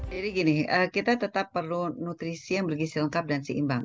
jadi gini kita tetap perlu nutrisi yang bergisi lengkap dan seimbang